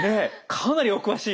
かなりお詳しい。